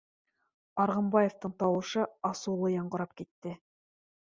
— Арғынбаевтың тауышы асыулы яңғырап китте